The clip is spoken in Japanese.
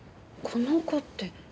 この子って。